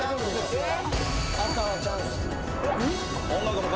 えっ！？